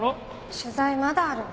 取材まだあるの？